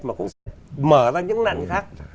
mà cũng mở ra những nặng khác